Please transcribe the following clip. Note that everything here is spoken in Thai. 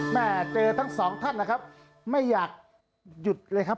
แม่เจอทั้งสองท่านนะครับไม่อยากหยุดเลยครับ